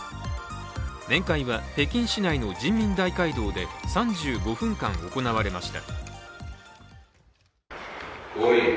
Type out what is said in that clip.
面会は北京市内の人民大会堂で３５分間行われました。